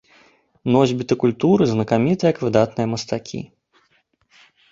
Носьбіты культуры знакаміты як выдатныя мастакі.